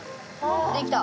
できた。